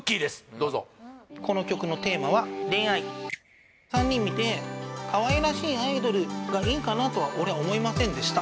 どうぞこの曲のテーマは「恋愛」３人見てかわいらしいアイドルがいいかなとは俺は思いませんでした